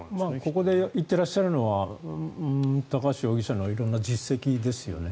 ここで言ってらっしゃるのは高橋容疑者の色んな実績ですよね。